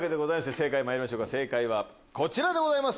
（正解まいりましょうか正解はこちらでございます。